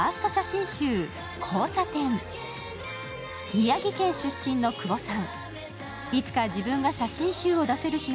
宮城県出身の久保さん。